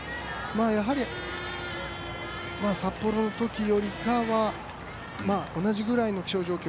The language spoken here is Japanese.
やはり札幌の時よりかは同じぐらいの気象状況